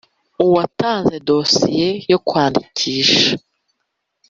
uwatanze dosiye yo kwandikisha